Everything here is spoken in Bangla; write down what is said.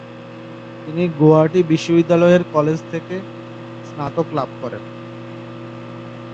তিনি গৌহাটি বিশ্ববিদ্যালয়ের কলেজ থেকে স্নাতক লাভ করেন।